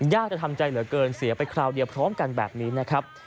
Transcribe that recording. ยากจะทำใจเหลือเกินเสียไปคราวเดียวพร้อมกันแบบนี้นะครับ